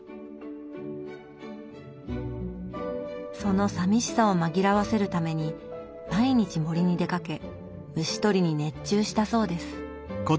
そのさみしさを紛らわせるために毎日森に出かけ虫捕りに熱中したそうです。